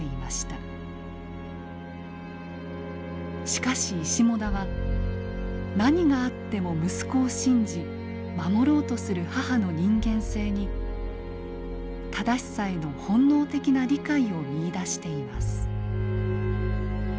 しかし石母田は何があっても息子を信じ守ろうとする母の人間性に正しさへの本能的な理解を見いだしています。